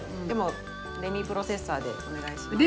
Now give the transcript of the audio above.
でもレミプロセッサーでお願いします。